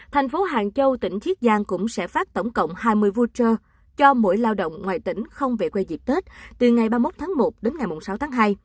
thành phố hàng châu tỉnh chiết giang cũng sẽ phát tổng cộng hai mươi vucher cho mỗi lao động ngoài tỉnh không về quê dịp tết từ ngày ba mươi một tháng một đến ngày sáu tháng hai